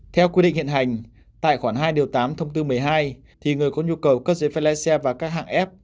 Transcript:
theo quy định hiện hành tại khoản hai tám thông tư một mươi hai thì người có nhu cầu cất dưới phép lái xe và các hạng ép